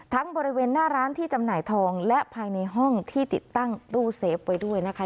บริเวณหน้าร้านที่จำหน่ายทองและภายในห้องที่ติดตั้งตู้เซฟไว้ด้วยนะคะ